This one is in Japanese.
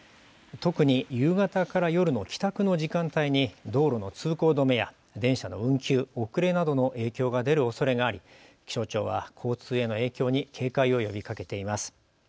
特に夕方から夜の帰宅の時間帯に道路の通行止めや電車の運休、遅れなどの影響が出るおそれがあり気象庁は交通への影響に警戒を呼びかけています。